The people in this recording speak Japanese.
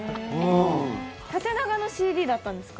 縦長のＣＤだったんですか？